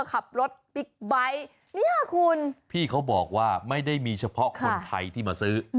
ขับรถปลิ๊กไบท์พี่เค้าบอกว่าไม่ได้มีเฉพาะคนไทยที่มาซื้อ